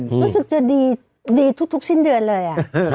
รู้สึกจะดีทุกสิ้นเดือนเลย